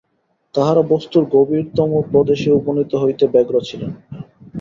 তাঁহারা বস্তুর গভীরতম প্রদেশে উপনীত হইতে ব্যগ্র ছিলেন।